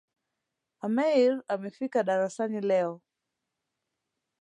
Ameir amefika darasani leo